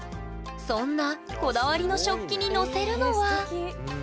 そんなこだわりの食器に載せるのはへえすてき。